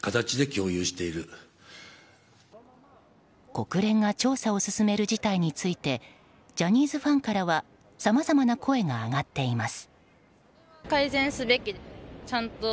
国連が調査を進める事態についてジャニーズファンからはさまざまな声が上がっています。